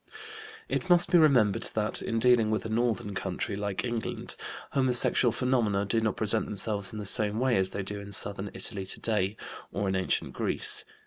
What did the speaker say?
It must be remembered that, in dealing with a northern country like England, homosexual phenomena do not present themselves in the same way as they do in southern Italy today, or in ancient Greece.